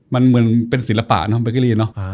มันเหมือนเป็นศิลปะเนาะเบเกอรี่เนอะ